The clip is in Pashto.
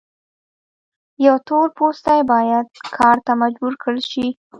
یو تور پوستی باید کار ته مجبور کړل شي.